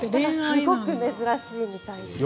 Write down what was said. すごく珍しいみたいです。